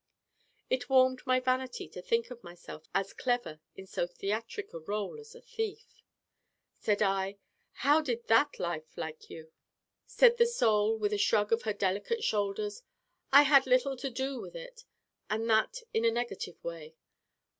It warmed my vanity to think of myself as clever in so theatric a rôle as thief. Said I: 'How did that life like you?' Said the Soul, with a shrug of her delicate shoulders: 'I had little to do with it and that in a negative way.